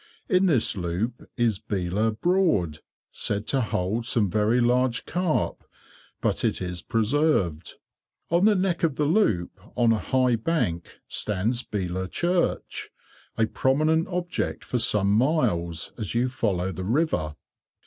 In this loop is Belaugh Broad, said to hold some very large carp, but it is preserved. On the neck of the loop, on a high bank, stands Belaugh Church, a prominent object for some miles, as you follow the river.